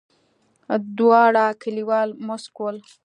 دواړه کليوال موسک ول.